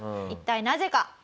一体なぜか？